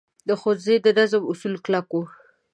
د ښوونځي د نظم اصول کلک وو.